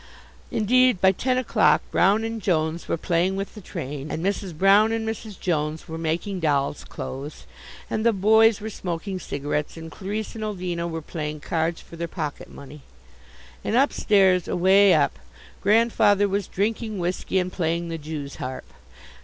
Indeed, by ten o'clock, Brown and Jones were playing with the train, and Mrs. Brown and Mrs. Jones were making dolls' clothes, and the boys were smoking cigarettes, and Clarisse and Ulvina were playing cards for their pocket money. And upstairs away up Grandfather was drinking whisky and playing the Jew's harp.